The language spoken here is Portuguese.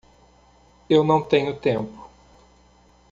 Eu não tenho tempo